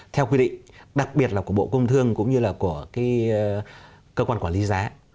theo quy định đặc biệt là của bộ công thương cũng như là của cơ quan quản lý giá